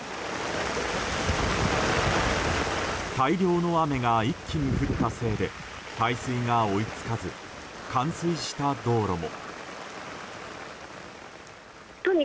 大量の雨が一気に降ったせいで排水が追いつかず冠水した道路も。